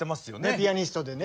ピアニストでね。